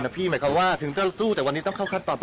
อ๋อวันนี้จริงมีสุดประสงค์จะขอเรื่องฟังคำสั่งของพี่